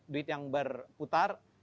duit yang berputar